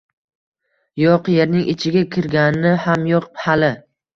Yo‘q, yerning ichiga kirgani ham yo‘q hali.